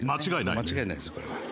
間違いないですこれは。